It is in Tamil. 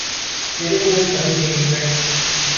பெருமிதம் தரும் செய்திகள்!